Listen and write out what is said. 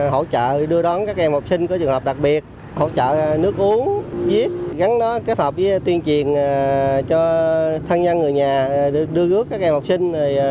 hỗ trợ đưa đón các em học sinh có trường hợp đặc biệt hỗ trợ nước uống giết gắn kết hợp với tuyên truyền cho thân nhân người nhà đưa ước các em học sinh